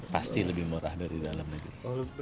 pasti lebih murah dari dalam negeri